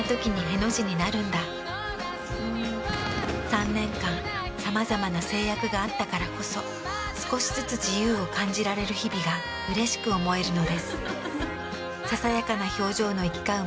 ３年間さまざまな制約があったからこそ少しずつ自由を感じられる日々がうれしく思えるのです。